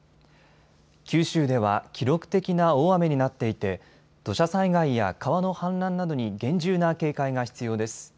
九州では記録的な大雨になっていて土砂災害や川の氾濫などに厳重な警戒が必要です。